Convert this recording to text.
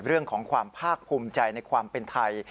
เรื่องของความภาคภูมิใจในความเป็นไทย